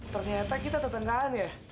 ternyata kita tetanggaan ya